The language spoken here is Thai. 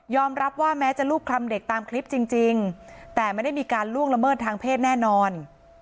รับว่าแม้จะรูปคลำเด็กตามคลิปจริงแต่ไม่ได้มีการล่วงละเมิดทางเพศแน่นอน